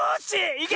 いけ！